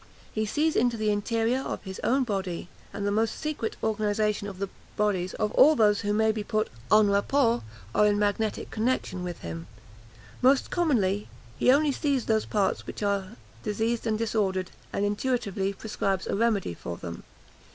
He sees into the interior of his own body, and the most secret organisation of the bodies of all those who may be put en rapport, or in magnetic connexion, with him. Most commonly, he only sees those parts which are diseased and disordered, and intuitively prescribes a remedy for them.